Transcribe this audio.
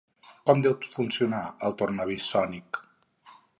Com deu funcionar el tornavís sònic?